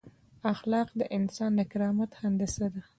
اخلاق د انسان د کرامت هندسه ده.